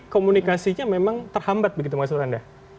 komunikasinya memang terhambat begitu maksud anda